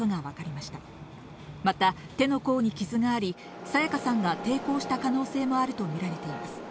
また手の甲に傷があり、彩加さんが抵抗した可能性もあるとみられています。